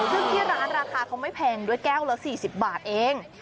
ซึ่งที่ร้านราคาเขาไม่แพงด้วยแก้วละ๔๐บาทเอง